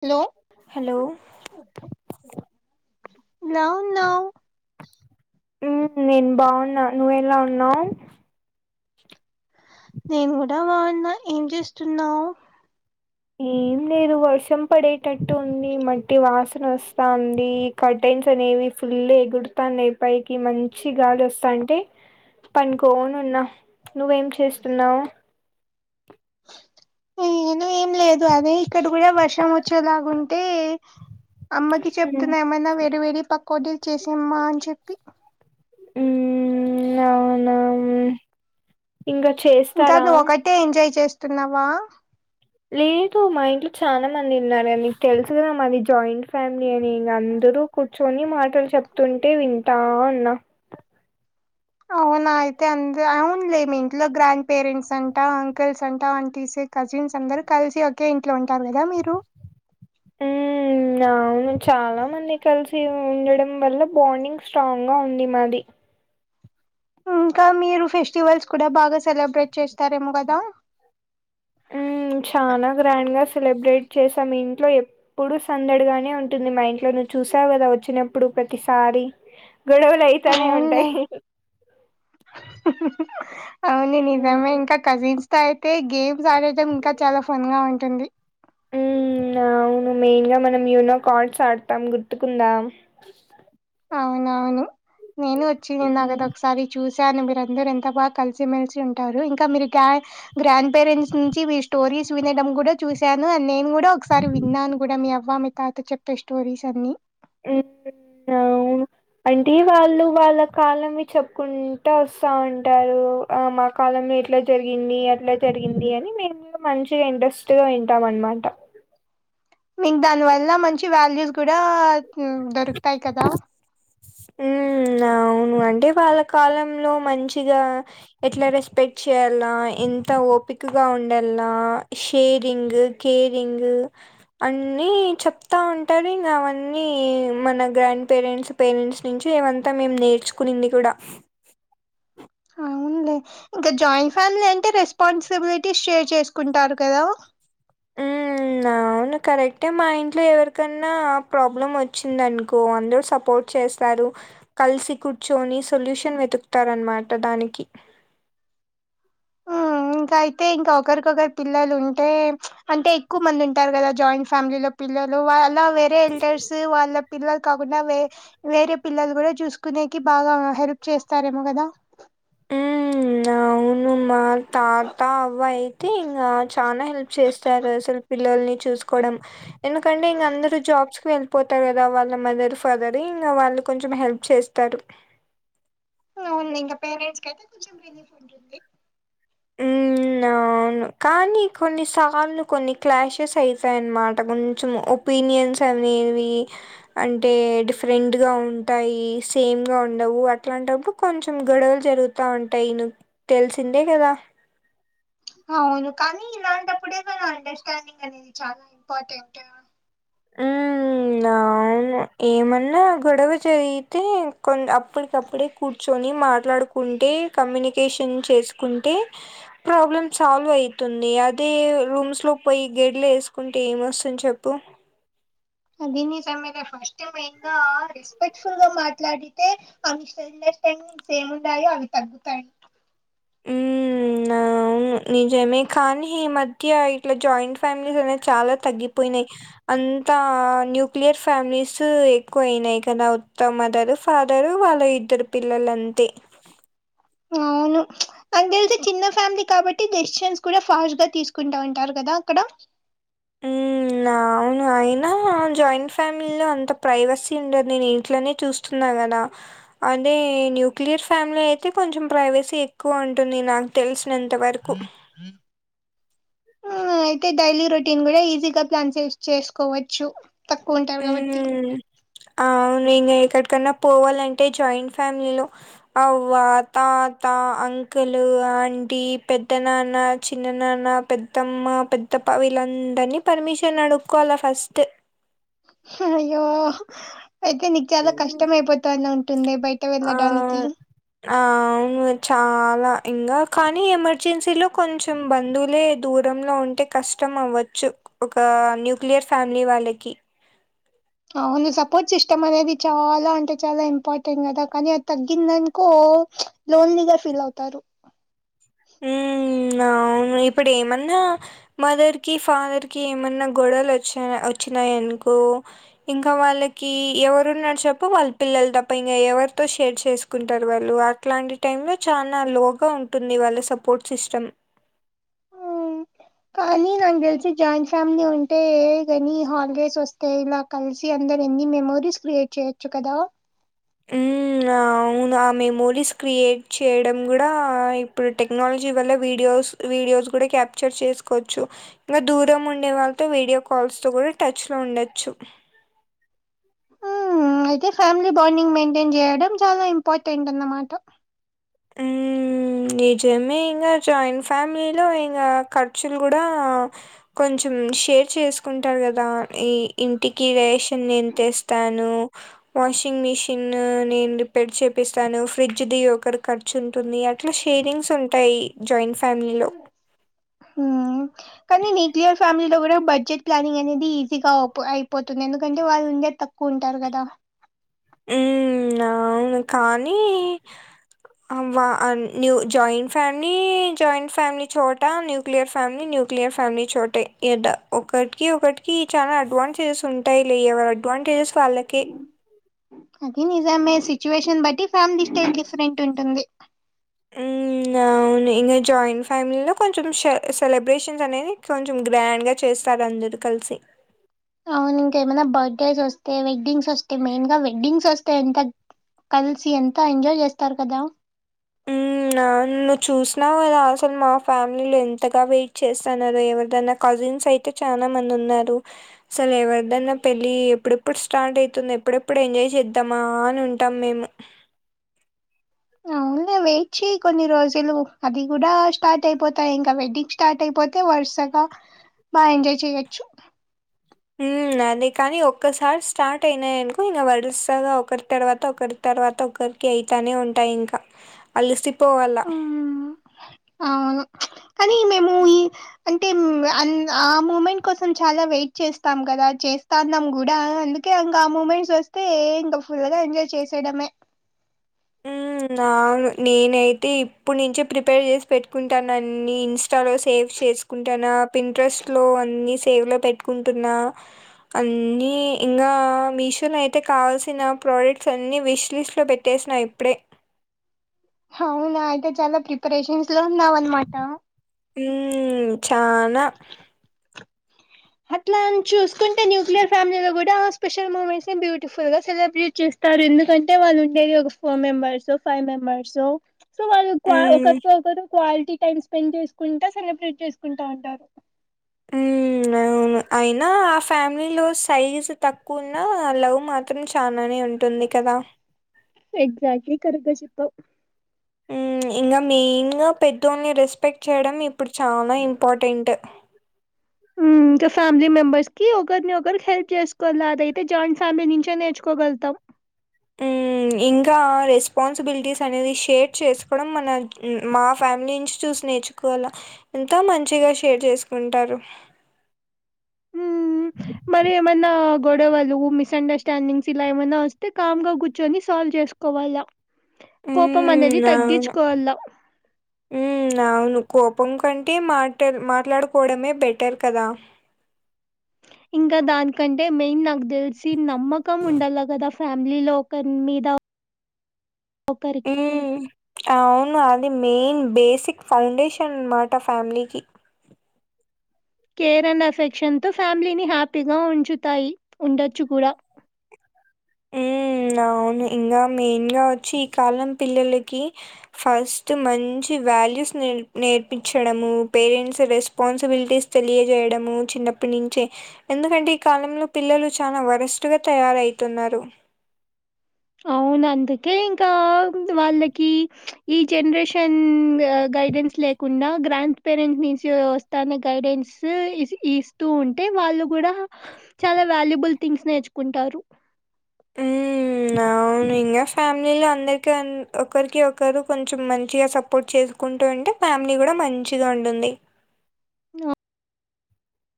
Hello hello no no um నేను బావున్నా నువ్వెలా ఉన్నావు నేను గూడా బావున్న ఏం చేస్తున్నావు [inaudible] ఈరో వర్షం పడేటట్టు ఉంది మట్టి వాసన వస్తాంది కటేన్స్ అనేవి ఫుల్ ఎగురుతనై పైకి మంచి గాలి వస్తా అంటే పండుకొని ఉన్నా నువ్వేం చేస్తున్నావు [inaudible] ఈనె ఏం లేదు అదే ఇక్కడ కూడా వర్షం వచ్చేలాగుంటే అమ్మకి చెప్తున్నా ఏమైనా వేడివేడి పకోడీలు చేసిమ్మా అని చెప్పి ఊ ఉమ్ నౌ నౌ ఇంగ చేస్ ఇంకా ఒకటే ఎంజాయ్ చేస్తున్నావా లేదు మా ఇంట్లో చాలా మంది ఉన్నారు అని నీకు తెలుసు కదా మాది జాయింట్ ఫ్యామిలీ అని ఇగ అందరూ కూర్చొని మాటలు చెప్తుంటే వింటా ఉన్న అవునా అయితే అందు అవునులే మీ ఇంట్లో గ్రాండ్ పేరెంట్స్ అంటా, అంకుల్స్ అంటా, ఆంటీస్ కజిన్స్ అందరు కలిసి ఒకే ఇంట్లో ఉంటారు కదా మీరు ఉ అవును చాలా మంది కలిసి ఉండడం వల్ల బాండింగ్ స్ట్రాంగ్ గా ఉంది మాది ఇంకా మీరు ఫెస్టివల్స్ కూడా బాగా సెలబ్రేట్ చేస్తారేమో కదా చానా గ్రాండ్ గా సెలబ్రేట్ చేసాం ఇంట్లో ఎప్ ప్పుడు సందడిగానే ఉంటుంది మా ఇంట్లో నువ్వు చూసావు గదా వచ్చినప్పుడు ప్రతిసారి గొడవలు అయితానే ఉంటాయి అవునులే అవును ఉమ్ నిజమే ఇంకా కజిన్స్ అయితే గేమ్స్ ఆడటం ఇంకా చాలా ఫన్ గా ఉంటుంది. ఊ అవును మెయిన్ గా మనం యూనో కార్డ్స్ ఆడతాం గుర్తుకుందా అవునవును నేను వచ్చి నా గద ఉమ్ ఒకసారి చూశాను మీరందరు ఎంత బాగా కలిసిమెలిసి ఉంటారు ఇంకా మీరు గాయ్ గ్రాండ్ పేరెంట్స్ నుంచి మీ స్టోరీస్ వినడం కూడా చూసాను అ నేను గూడా ఒకసారి విన్నాను కూడా మీ అవ్వా మీ తాత చెప్పే స్టోరీస్ అన్ని వు [inaudible] అంటే వాళ్ళు వాళ్ళ కాలంవి చెప్పుకుంటా వస్తా ఉంటారు ఆ మా కాలం ఇట్లా జరిగింది, అట్లా జరిగింది అని మేము మంచిగా ఇంట్రెస్ట్ గా వింటాం అనమాట మీకు దాని వల్ల మంచి వాల్యూస్ కూడా ఉమ్ దొరుకుతయి కదా ఉమ్ అవును అంటే వాళ్ళ కాలంలో మంచిగా ఎట్ల రెస్పెక్ట్ చేయాల్ల ఎంత ఓపికగా ఉండాల్లా షేరింగ్ కేరింగ్ అన్నీ చెప్తా ఉంటారు ఇంగవన్నీ మన గ్రాండ్ పేరెంట్స్ పేరెంట్స్ నుంచి ఏమంత మేము నేర్చుకునింది కూడా అవునులే ఇంక జాయింట్ ఫ్యామిలీ అంటే రెస్పాన్సిబిలిటీస్ షేర్ చేసుకుంటారు కదా హ్మ్ అవును కరెక్టే మా ఇంట్లో ఎవరికన్నా ప్రాబ్లమ్ వచ్చిందనుకో అందరు సపోర్ట్ చేస్తారు కల్సి కూర్చొని సొల్యూషన్ వెతుకుతారనమాట దానికి ఇంక అయితే ఇంక ఒకరికొకరు పిల్లలు ఉంటే అంటే ఎక్కువ మంది ఉంటారు కదా జాయింట్ ఫ్యామిలీలోప్ పిల్లలు వా అలా వేరే ఎల్టర్స్ వాళ్ళ ప్ పిల్లలు కాకుండ వే వేరే పిల్లలు గుడా చూసుకునేకి బాగ హెల్ప్ చేస్తారేమో కదా ఉమ్ అవు ను మా తాత అవ్వ అయితే ఇంగా చానా హెల్ప్ చేస్తారు అసలు పిల్లల్ని చూసుకోవడం ఎందుకంటే ఇంగ అందరూ జాబ్స్ కి వెల్పోతారు కదా వాళ్ళ మదర్, ఫదర్ ఇంగ వాళ్ళు కొంచెం హెల్ప్ చేస్ తరు అవున్లే ఇంగ పేరెంట్స్ కయితే కొంచెం రిలీఫ్ ఉంటుంది ఉమ్ అవున్ కాని కొన్ని సార్లు కొన్ని క్లాషెస్ అయితయన్నమాట కొంచెం ఒక్ పీనియన్స్ అనేవి అంటే డిఫరెంట్గ ఉంటాయి సేమ్గ ఉండవు అట్లాంటప్పుడు కొంచెం గొడవలు జరుగుత్ తా ఉంటాయి నుక్ తెలిసిందే కదా అవును కానీ ఇలాంటప్పుడే మన అండర్స్టాండింగ్ అనేది చాలా ఇంపార్టెంట్ నవు ఏమన్నా గొడవ జరిగితే కొన్ అప్పటికప్పుడే కూర్చొని మాట్లాడుకు కుంటే కమ్యూనికేషన్ చేసుకుంటే ప్రాబ్లమ్ సాల్వ్ అయితుంది అదే రూమ్స్ లో పోయి గెడ్లు ఏసుకుంటే ఏం వస్తుంది చెప్పు అది నిజమేలే ఫస్ట్ మెయిన్ గా స్పెక్ట్ఫుల్ గా మాట్లాడితే మిస్ అండర్స్టాండింగ్స్ ఏమున్నాయో అవి తగ్గుతాయి హ్మ్ అవును నిజమే కానీ ఈ మధ్య ఇట్ల జాయింట్ ఫ్యామిలీస్ అనేయి చాలా తగ్గిపోయినయి అంతా న్యూక్లియర్ ఫ్యామిలీస్ ఎక్కువయినయి కదా ఉత్త మదర్ ఫాదరు వాళ్ళ ఇద్దరు పిల్లలంతే అవును నాకు తెలిసి చిన్న ఫ్యామిలీ కాబట్టి డెసిజెన్స్ కూడా ఫాస్ట్ గ తీసుకుంటా ఉంటారు కదా అక్కడ నావును అయినా జాయింట్ ఫ్యామిలీ లో అంత ప్రైవేసీ ఉండదు నేనింట్లనే చూస్ న్నకదా అదే న్యూక్లియర్ ఫ్యామిలీ అయితే కొంచెం ప్రైవేసీ ఎక్కువ ఉంటుంది నాకు తెలిసినంత వరక్ ఫ్రీ ఫ్రీ ఆ అయితే డైలీ రొటీన్ కూడ ఈజీగా ప్లాన్ చే చేసుకోవచ్చు తక్కువ ఉంటారు కాబట్టి హ అవును ఇంగ ఎక్కడికన్న పోవాలంటే జాయింట్ ఫ్యామిలీలో అవ్వ తాత అంకులు ఆంటీ పెద్ద నాన్న చిన్న నాన్న పెద్దమ్మ పెద్దప్ప వీళ్ళందరినీ పర్మిషన్ అడుక్కోల ఫస్ట్ అయ్యో అయితే నీకు చాలా కష్టం ఐపోతాందంటుంది బయటకి ఆ వెళ్ళడానికి ఆ అవును చాల ఇంకా కానీ ఎమర్జెన్సీలో కొంచెం బంధువులే దూరంలో ఉంటే కష్టం అవ్వచ్చు ఒక న్యూక్లియర్ ఫ్యామిలీ వాళ్ళకి అవును సపోర్ట్ సిస్టమ్ అనేది చాల అంటే చాల ఇంపార్టెంట్ కదా కానీ అది తగ్గిందనుకో లోన్లీగ ఫీల్ అవుతారు హుమ్ అవును ఇప్పుడు ఏమన్న మదర్ కి ఫాదర్ కి ఏమన్నా గొడవలు వచ్చిన వచ్చినాయి అనుకో ఇంకా వాళ్ళకి ఎవరున్నారు చెప్పు వాళ్ళ పిల్లలు తప్ప ఇంకా ఎవరితో షేర్ చేసు సుకుంటారు వాళ్ళు అట్లాంటి టైమ్ లో చాలా లోగా ఉంటుంది వాళ్ళ సపోర్ట్ సిస్టమ్ ఉమ్, కానీ నాకు తెలిసి జాయింట్ ఫ్యామిలీ ఉంటే కాని హాలిడేస్ వస్తే ఇల కలిసి అందరు ఎన్ని మెమోరీస్ క్రియేట్ చేయొచ్చు కద హు అ అవును ఆ మెమోరీస్ క్రియేట్ చేయడం కూడా ఇప్పుడు టెక్నాలజీ వల్ల వీడియోస్ వీడియోస్ కూడ క్యాప్చర్ చేసుకోచ్చు ఇంగ దూరం ఉండే వాళ్ళతో వీడియో కాల్స్ లో కూడ టచ్లో ఉండొచ్చు హ్మ్. అయితే ఫ్యామిలీ బాండింగ్ మెంటేన్ చేయడం చాల ఇంపార్టెంట్ అన్నమాట ఊ నిజమే ఇంగా జాయింట్ ఫ్యామిలీలో ఇంగ ఖర్చులు కూడ కొంచెం షేర్ చేసుకుంటారు కదా ఈ ఇంటికి రే నేను తేస్తాను వాషింగ్ మిషిన్ నేను రిపేర్‌ చేపిస్తాను ఫ్రిడ్జ్ది [unintelligible] ఖర్చుంటుంది అట్ల షేరింగ్స్ ఉంటాయి జాయింట్ [unintelligible] కానీ న్యూక్లియర్‌ ప్యామిలి లో కూడ బడ్జెట్ ప్లానింగ్ అనేది ఈజీగా అ అయిపోతుంది ఎందుకంటే వాళ్ళు ఉండేది తక్కువ ఉంటారు కదా ఉ అవును కానీ new joint family joint family చోట [unintelligible] లియర్ ఫ్యామిలీ న్యూక్లియర్ ఫ్యామిలీ చోటే ఒకటికి ఒకటికి చాల అడ్వాంటేజెస్ [unintelligible] ఉంటాయిలే ఎవరి అడ్వాంటేజెస్ వాళ్ళకి అది నిజమే సిచ్యువేషన్ బట్టి ఫ్యామిలీ స్టై [unintelligible] డిఫరెంట్ ఉంటుంది అహ అవును ఇంకా జాయింట్ ఫ్యామిలీలో కొంచెం సె సెలబ్రేషన్స్ అనేది కొంచెం గ్రాండ్గ చేస్తారు అందరూ కలిసి అవును ఇంకేమైన బర్త్డేస్ వస్తే వెడ్డింగ్స్ వస్తే మెయిన్ గా వెడ్డింగ్స్ వేస్తే ఎంత కలిసి ఎంత ఎంజాయ్ చేస్తారు కదా హ్మ్. నువ్వు చూసినవు అద ఆల్సల్ మా ఫ్యామిలీలో ఎంతగా వెయిట్ చేస్తన్నారో ఎవరిదైనా కజిన్స్ అయి అయితే చాన మంది ఉన్నారు అసలు ఎవరిదైనా పెళ్ళి ఎప్పుడెప్పుడు స్టార్ట్ అవుతుంది ఎప్పుడెప్పుడు ఎంజాయ్ చేద్దామా అని ఉ టామ్ మేము [unintelligible] చేయి కొన్ని రోజులు అది కూడా స్టార్ట్ అయిపోతాయి ఇంకా వెడ్డింగ్ స్టార్ట్ అయిపోతే వరుసగ బా ఎంజాయ్ చేయచ్చు ఆ అదే కాని ఒక్కసారి స్టార్ట్ అయినాయినుకో ఇంక వరుసగా ఒకరి తర్వాత ఒకరు తర్వాత ఒకరికి అయితానే ఉంటాయి ఇంక అలిసిపోవాల ఆ అవును కానీ మేము ఈ అంటే ఆ మూమెంట్ కోసం చాలా వెయిట్ చేస్తాం కదా చేస్తాన్నాం కూడా అందు కే ఇంకా ఆ మూమెంట్స్ వస్తే ఇంకా ఫుల్ గా ఎంజాయ్ చేసయడమే ఉమ్ ఆ అవును నేనైతే ఇప్పుడు నుంచే ప్రిపేర్ చేసి పెట్టుకుంటానని ఇన్ న్స్టా లో సేవ్ చేసుకుంటానా పిన్టరెస్ట్ లో అన్ని సేవ్ లో పెట్టుకుంటున్నా అన్నీ ఇంకా మీషోలో అయితే కావాల్సిన ప్రోడక్ట్స్ అన్ని విష్ లిస్ట్లో పెట్ట సిన నా ఇప్పుడే అవునా అయితే చాలా ప్రిపరేషన్స్ లో ఉన్నావనమాట ఆ చానా అట్లా అని చూసుకుంటే న్యూక్లియర్ ఫ్యామిలీ లో కూడా ఆ స్పెషల్ మూమెంట్స్ ని బ్యూటిఫుల్గా సెలబ్రేట్ చేస్త తారు ఎందుకంటే వాళ్ళు ఉండేది ఒక ఫోర్ మెంబర్స్ ఓ ఫైవ్ మెంబర్స్ ఓ సో వాళ్ళు హ్మ్. ఒకరికి ఒకరు క్వాలిటీ టైమ్ స్పెండ్ చేసుకుంటా సెలబ్రేట్ చేసుకుంటా ఉంటారు ఆ అవును అయినా ఆ ఫ్యామిలీ లో సైజు తక్కువున్న లవ్ మా త్రం చాలనే ఉంటుంది కదా ఎగ్జాక్లీ కరెక్ట్ గా చెప్పావు ఉమ్ ఇంకా మెయిన్ గా పెద్దోళ్ళని రెస్పెక్ట్ చేయడం ఇప్పుడు చాలా ఇంపార్టెంట్ ఆ ఇంకా ఫ్యామిలీ మెంబెర్స్ కి ఒకరిని ఒకరి హెల్ప్ చేసుకోవాలి అదైతే జాయింట్ ఫ్యామిలీ నుంచే నేర్చుకోగలుగుతాం హ్మ్ ఇంకా రెస్పాన్సిబిలిటీస్ అనేది షేర్ చేసుకోవడం మన మా ఫ్యామిలీ నుంచి చూసి నేర్చుకో వాల ఎంత మంచిగా షేర్ చేసుకుంటారు ఉమ్ మరి ఏమైనా గొడవలు మిస్ండర్స్టాండింగ్స్ ఇలా ఏమైన్నా వస్తే కామ్ గా కూర్చొని సాల్వ్ చేసుకో కోవాలా కోపం అనేది హ్మ్ తగ్గించుకోవాలా ఆ అవును కోపం కంటే మాటలు మాట్లాడుకోవడమే బెటర్ కదా ఇంకా దానికంటే మెయిన్ నాకు తెలిసి నమ్మకం ఉండాల కదా ఫ్యామిలీ లో ఒకరి మీద ఒకరికి హ్మ్ అవును అది మెయిన్ బేసిక్ ఫౌండేషన్ అనమాట ఫ్యామిలీకి కేర్ అండ్ అఫెక్షన్ తో ఫ్యామిలీని హ్యాపీగా ఉంచుతాయి ఉండొచ్చు కూడా ఉ అవును ఇంకా మెయిన్ గా వచ్చి ఈ కాలం పిల్లలకి ఫస్ట్ మంచి వాల్యూస్ నే నేర్పించడము పేరెంట్స్ రెస్పా న్సిబిలిటీస్ తెలియజేయడము చిన్నప్పటి నుంచే ఎందుకంటే ఈ కాలంలో పిల్లలు చాలా వరస్టుగా తయారవుతున్నారు అవును అందుకే ఇంకా వాళ్ళకి ఈ జనరేషన్ గైడెన్స్ లేకుండా గ్రాండ్ పేరెంట్స్ నుంచి వస్తానే గైడెన్స్ ఈ ఇస్తూ ఉంటే వాళ్ళు కూడా చాలా వాల్యుబుల్ థింగ్స్ నేర్చుకుంటారు ఉమ్ అవును ఇంకా ఫ్యామిలీలో అందరికి ఒకరికి ఒకరు కొంచెం మంచిగా సపోర్ట్ చేసు కుంటూ ఉంటే ఫ్యామిలీ కూడా మంచిగా ఉంటుంది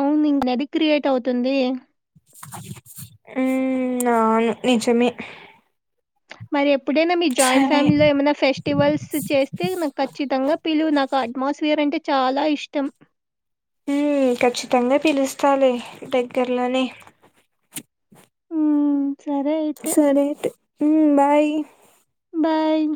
అవును ఇది క్రియేట్ అవుతుంది ఉమ్ అవును నిజమే మరి ఎప్పుడైనా మీ జాయింట్ సరే. ఫ్యామిలీలో ఏమైనా ఫెస్ట్ టివల్స్ చేస్తే నాకు ఖచ్చితంగా పిలువు నాకు అట్మాస్ఫియర్ అంటే చాలా ఇష్టం ఉ ఖచ్చితంగా పిలుస్తాలే దగ్గర్లోనే ఉమ్, సరే అయితే సరే అయితే ఉమ్ బాయ్ బాయ్